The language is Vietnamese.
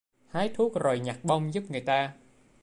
Hái thuốc rồi nhặt bông giúp người ta